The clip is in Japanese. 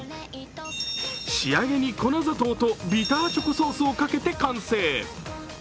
仕上げに粉砂糖とビターチョコソースをかけて完成。